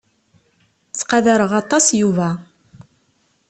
Ttqadareɣ aṭas Yuba.